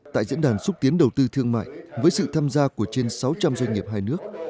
tại diễn đàn xúc tiến đầu tư thương mại với sự tham gia của trên sáu trăm linh doanh nghiệp hai nước